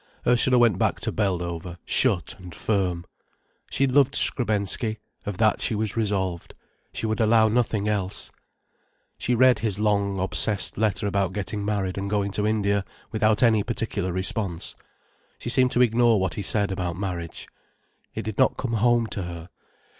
Ursula went back to Beldover shut and firm. She loved Skrebensky, of that she was resolved. She would allow nothing else. She read his long, obsessed letter about getting married and going to India, without any particular response. She seemed to ignore what he said about marriage. It did not come home to her.